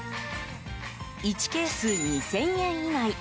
１ケース２０００円以内。